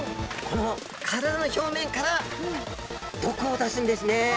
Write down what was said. この体の表面から毒を出すんですね。